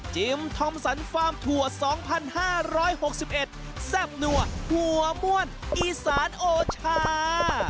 จิมทอมสันฟาร์มทัวร์๒๕๖๑แซ่มนัวหัวมวลอีสานโอชา